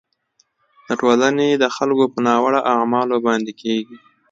د ټولنې د خلکو په ناوړه اعمالو باندې کیږي.